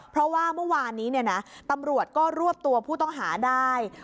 เพราะว่าเมื่อวานนี้ตำรวจก็รวบตัวผู้ต้องหาได้